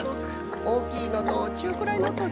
おおきいのとちゅうくらいのとちいさいの。